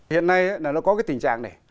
hiện nay nó có cái tình trạng này